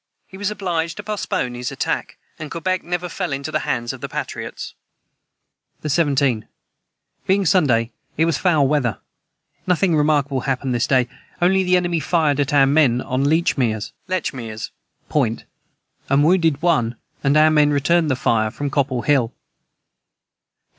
He was obliged to postpone his attack, and Quebec never fell into the hands of the patriots.] the 17. Being Sunday it was foul weather nothing remarkable hapned this day onely the enemy fired at our men on Lechmers Point and wounded one and our men returned the fire from copple hill.